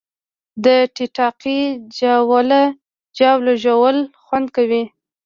د ټیټاقې جاوله ژوول خوند کوي